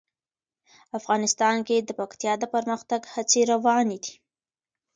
افغانستان کې د پکتیا د پرمختګ هڅې روانې دي.